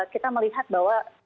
kita melihat bahwa